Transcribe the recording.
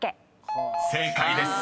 ［正解です。